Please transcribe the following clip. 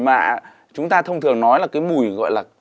mà chúng ta thông thường nói là cái mùi gọi là